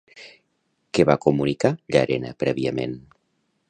Què va comunicar Llarena prèviament?